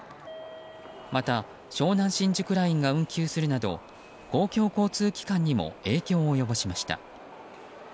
また、湘南新宿ラインが運休するなど公共交通機関にも影響を及ぼしました。